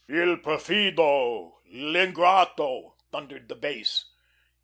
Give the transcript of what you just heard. "Il perfido, l'ingrato" thundered the basso.